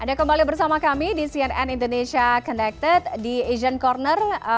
anda kembali bersama kami di cnn indonesia connected di asian corner